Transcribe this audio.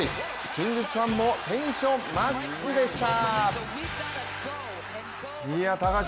キングスファンもテンションマックスでした！